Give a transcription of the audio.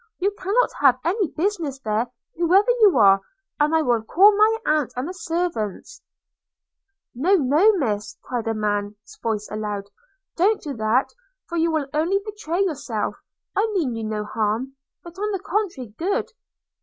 'You cannot have any business there, whoever you are, and I will call my aunt and the servants.' 'No, no, Miss!' cried a man's voice aloud; 'don't do that, for you will only betray yourself; I mean you no harm, but, on the contrary, good.